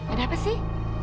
ada apa sih